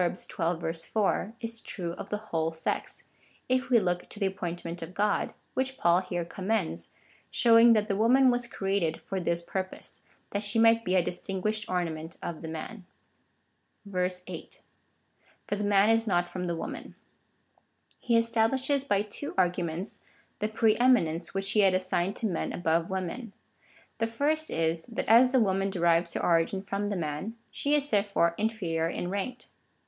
xii. 4,) is true of the whole sex, if we look to the api^ointment of God, which Paul here commends, showing that the woman was created for this pur]30se — that she might be a distinguished ornament of the man. 8. For the man is not from the woman. He establishes by two arguments the pre eminence, which he had assigned to men above women. The first is, that as the woman derives her origin from the man, she is therefore inferior in rank.